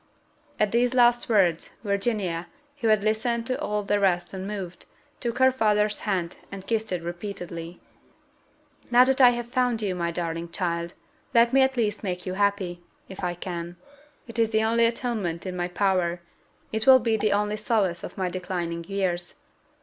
At these last words, Virginia, who had listened to all the rest unmoved, took her father's hand, and kissed it repeatedly. "Now that I have found you, my darling child, let me at least make you happy, if I can it is the only atonement in my power; it will be the only solace of my declining years.